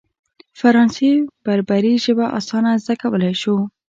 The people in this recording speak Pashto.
فرانسې بربري ژبه اسانه زده کولای شو.